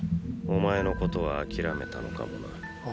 ⁉お前のことは諦めたのかもな。？